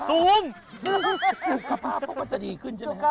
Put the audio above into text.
สุขภาพต้องมันจะดีขึ้นใช่ไหม